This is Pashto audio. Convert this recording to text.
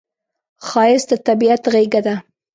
ښایست د طبیعت غېږه ده